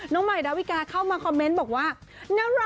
ใหม่ดาวิกาเข้ามาคอมเมนต์บอกว่าน่ารัก